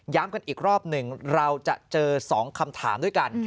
กันอีกรอบหนึ่งเราจะเจอ๒คำถามด้วยกัน